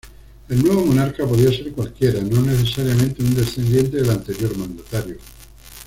El nuevo monarca podía ser cualquiera, no necesariamente un descendiente del anterior mandatario.